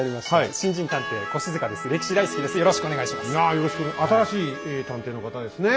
新しい探偵の方ですね。